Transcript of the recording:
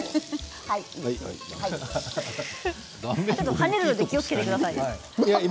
跳ねるので気をつけてくださいね。